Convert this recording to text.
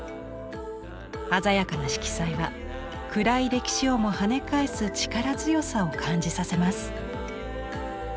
鮮やかな色彩は暗い歴史をもはね返す力強さを感じさせます。